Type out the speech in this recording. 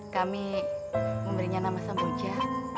kami memberinya nama sembonja